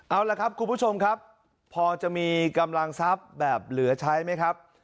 เอาล่ะครับคุณผู้ชมครับพอจะมีกำลังทรัพย์แบบเหลือใช้ไหมครับ